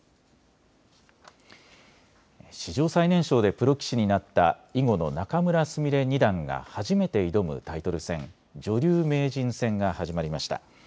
史上最年少でプロ棋士になった囲碁の仲邑菫二段が初めて挑むタイトル戦、女流名人戦が始まりました。